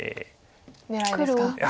狙いですか。